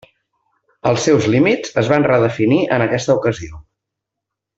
Els seus límits es van redefinir en aquesta ocasió.